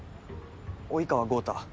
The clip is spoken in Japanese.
及川豪太。